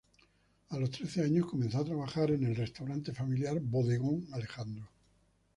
A los trece años comenzó a trabajar en el restaurante familiar, Bodegón Alejandro.